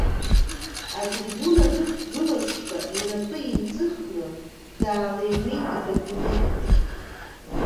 Атрибуна дықәгылазшәа, инапы еиҵыхны даалеиҩеит икабинет аҿы.